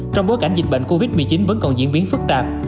trong bối cảnh dịch bệnh covid một mươi chín vẫn còn diễn biến phức tạp